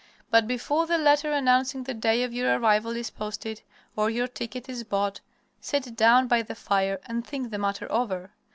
But before the letter announcing the day of your arrival is posted or your ticket is bought, sit down by the fire and think the matter over.